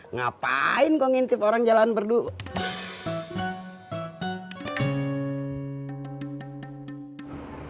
ngapain kok ngintip orang jalan berdua